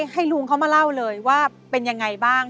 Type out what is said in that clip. ให้ลุงเขามาเล่าเลยว่าเป็นยังไงบ้าง